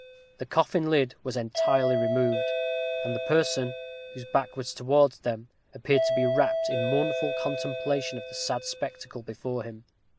The coffin lid was entirely removed, and the person, whose back was towards them appeared to be wrapped in mournful contemplation of the sad spectacle before him.